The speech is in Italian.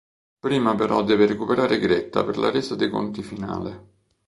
Prima però deve recuperare Gretta per la resa dei conti finale.